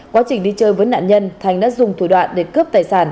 quá trình đi chơi với nạn nhân thành đã dùng thủ đoạn để cướp tài sản